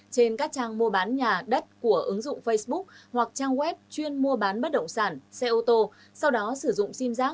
trên các trang mua bán nhà đất của ứng dụng facebook hoặc trang web chuyên mua bán bất động sản xe ô tô sau đó sử dụng sim giác